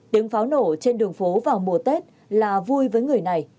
tiếng pháo nổ trên đường phố vào mùa tết là vui với người này